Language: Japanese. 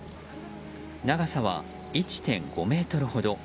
長さは１．５ｍほど。